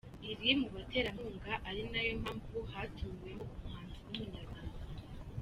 iri mu baterankunga ari na yo mpamvu hatumiwemo umuhanzi w’Umunyarwanda.